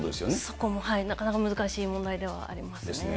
そこもなかなか難しい問題でですね。